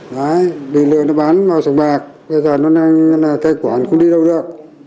đấy bị lừa nó bán vào sòng bạc bây giờ nó đang là thay quản cũng đi đâu được